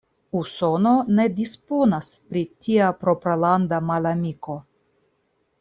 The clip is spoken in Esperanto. Usono ne disponas pri tia propralanda malamiko.